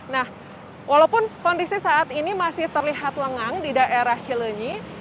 nah walaupun kondisi saat ini masih terlihat lengang di daerah cilenyi